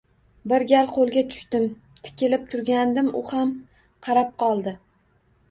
Bir gal qoʻlga tushdim: tikilib turgandim u ham qarab qoldi.